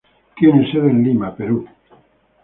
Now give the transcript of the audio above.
Tiene sede en Lima, Perú.